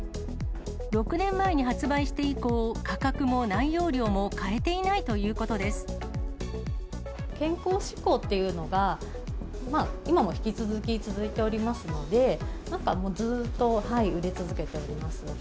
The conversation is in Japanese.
６年前に発売して以降、価格も内容量も変えていないということで健康志向っていうのが、まあ、今も引き続き続いておりますので、なんかもうずっと売れ続けております。